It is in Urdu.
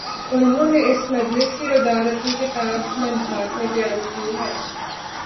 انہوں نے اس مجلس کی روداد اپنی کتاب "لمحات" میں بیان کی ہے۔